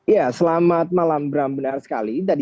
ya selamat malam bram benar sekali